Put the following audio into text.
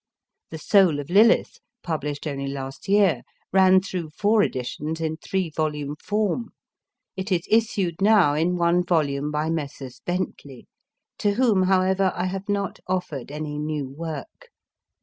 The Soul of Lilith, published only last year, ran through four editions in three volume form ; it is issued now in one volume by Messrs. Bentley, to whom, however, I have not offered any new work.